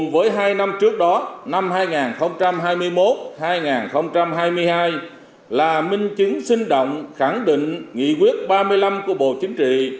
với hai năm trước đó năm hai nghìn hai mươi một hai nghìn hai mươi hai là minh chứng sinh động khẳng định nghị quyết ba mươi năm của bộ chính trị